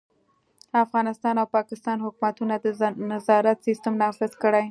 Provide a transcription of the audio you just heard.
افغانستان او پاکستان حکومتونه د نظارت سیستم نافذ کړي.